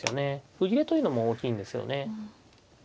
歩切れというのも大きいんですよね。